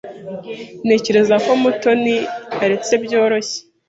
Ntekereza ko Mutoni yaretse byoroshye.